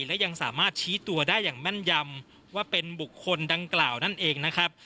และยังสามารถชี้ตัวได้อย่างแม่นยำว่าเป็นบุคคลดังกล่าวนั่นเองนะครับ